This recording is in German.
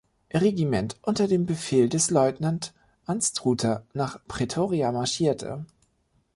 Regiment unter dem Befehl des Leutnant Anstruther nach Pretoria marschierte.